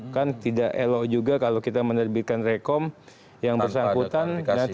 kan tidak elok juga kalau kita menerbitkan rekom yang bersangkutan datang